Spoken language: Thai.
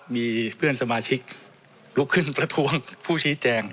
มีเพื่อนสมาชิกลุกขึ้นประท้วงผู้ชี้แจง